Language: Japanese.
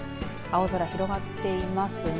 青空、広がっていますね。